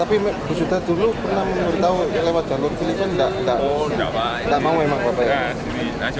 tapi bapak sudah dulu pernah memberitahu